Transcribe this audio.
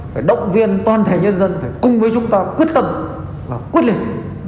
phải động viên toàn thể nhân dân phải cùng với chúng ta quyết tâm và quyết liệt